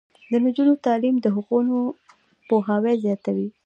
د نجونو تعلیم د حقونو پوهاوی زیاتوي.